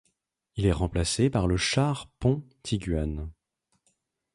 Il est remplacé par le char pont Iguane.